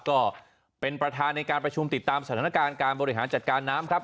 ก็เป็นประธานในการประชุมติดตามสถานการณ์การบริหารจัดการน้ำครับ